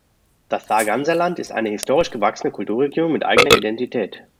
Das Sarganserland ist eine historisch gewachsene Kulturregion mit eigener Identität.